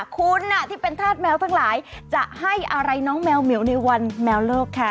คุณที่เป็นธาตุแมวทั้งหลายจะให้อะไรน้องแมวเหมียวในวันแมวโลกค่ะ